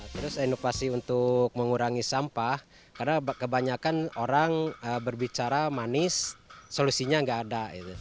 terus inovasi untuk mengurangi sampah karena kebanyakan orang berbicara manis solusinya nggak ada